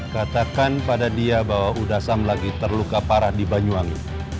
katakan pada dia bahwa udasam lagi terluka parah di banyuwangi